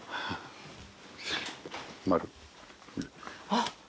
あっ。